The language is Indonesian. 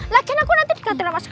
lagian aku nanti di kantornya mas al